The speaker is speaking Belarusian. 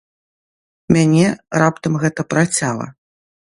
Мяне раптам гэта працяла.